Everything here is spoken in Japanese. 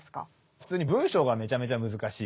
普通に文章がめちゃめちゃ難しい。